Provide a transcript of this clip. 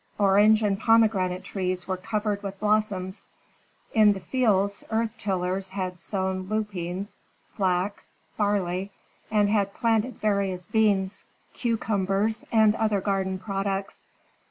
Orange and pomegranate trees were covered with blossoms; in the fields earth tillers had sown lupines, flax, barley, and had planted various beans, cucumbers, and other garden products.